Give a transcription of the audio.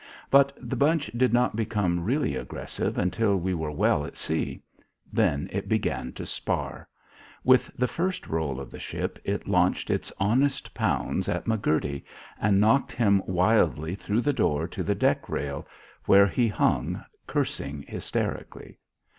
But the bunch did not become really aggressive until we were well at sea. Then it began to spar. With the first roll of the ship, it launched its honest pounds at McCurdy and knocked him wildly through the door to the deck rail, where he hung cursing hysterically.